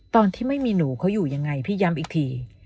ตอนที่ไม่มีหนูเขาอยู่ยังไงพี่ย้ำอีกที